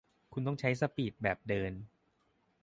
คุณต้องใช้สปีดแบบเดิน